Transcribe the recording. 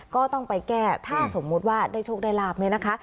ก็ต้องไปแก้ถ้าสมมุติว่าได้โชคได้ลาบเนี่ยนะคะ